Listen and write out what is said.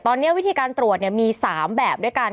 ตอนนี้วิธีการตรวจมี๓แบบด้วยกัน